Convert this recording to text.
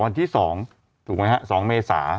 วันที่๒ถูกไหมฮะ๒เมษา